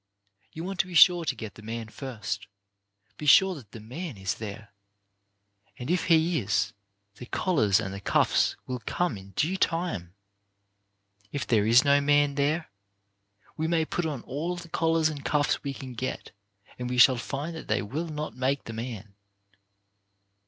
You want to be sure to get the man first. Be sure that the man is there, and if he is, the collars and the cuffs will come in due time. If there is no THE VIRTUE OF SIMPLICITY 39 man there, we may put on all the collars and cuffs we can get, and we shall find that they will not make the man.